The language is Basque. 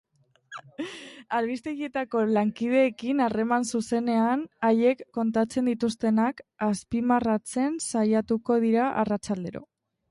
Albistegietako lankideekin harreman zuzenean, haiek kontatzen dituztenak azpimarratzen saiatuko dira arratsaldero.